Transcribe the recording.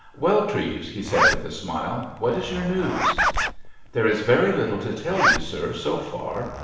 "Well, Treves," he said, with a smile, "what is your news?" "There is very little to tell you, sir, so far.